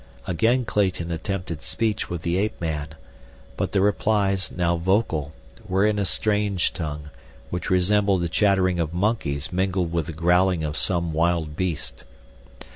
Again Clayton attempted speech with the ape man; but the replies, now vocal, were in a strange tongue, which resembled the chattering of monkeys mingled with the growling of some wild beast.